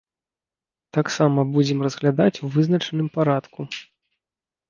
Таксама будзем разглядаць у вызначаным парадку.